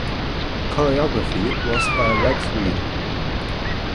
Choreography was by Rex Reid.